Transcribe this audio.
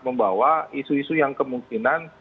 membawa isu isu yang kemungkinan